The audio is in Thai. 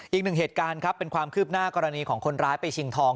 อีกหนึ่งเหตุการณ์ครับเป็นความคืบหน้ากรณีของคนร้ายไปชิงทอง